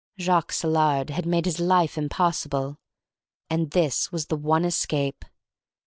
Jacques Saillard had made his life impossible, and this was the one escape.